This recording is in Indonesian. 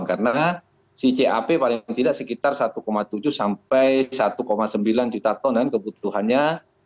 karena si cap paling tidak sekitar satu tujuh sampai satu sembilan juta ton dan kebutuhannya